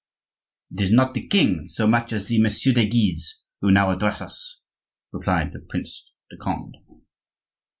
"It is not the king so much as the Messieurs de Guise who now address us," replied the Prince de Conde.